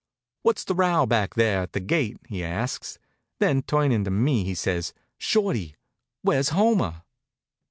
"What's the row back there at the gate?" he asks. Then, turnin' to me, he says: "Shorty, where's Homer?"